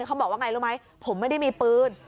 เค้าบอกว่าว่าง่ายรู้ไหมผมไม่ได้มีปืน